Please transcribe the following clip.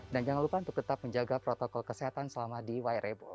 jangan lupa untuk tetap menjaga protokol kesehatan selama di wairebo